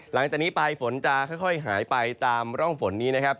หลังจากนี้ไปฝนจะค่อยหายไปตามร่องฝนนี้นะครับ